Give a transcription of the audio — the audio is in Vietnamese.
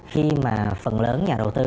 khi mà phần lớn nhà đầu tư